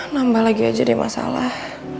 nambah lagi aja deh masalah